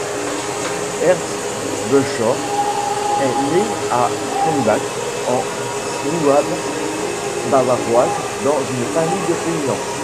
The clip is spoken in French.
Ernst Buschor est né à Krumbach, en Souabe bavaroise, dans une famille de paysans.